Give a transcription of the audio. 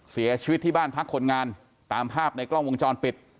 เสียชีวิตที่บ้านพักคนงานตามภาพในกล้องวงจรปิด